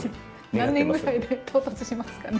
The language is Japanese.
何年ぐらいで到達しますかね。